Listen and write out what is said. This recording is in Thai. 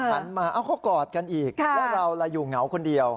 หันมาเอ้าเขากอดกันอีกแล้วเราล่ะอยู่เหงาคนเดียว